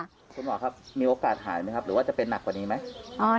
คุณหมอครับมีโอกาสหายไหมครับหรือว่าจะเป็นหนักกว่านี้ไหม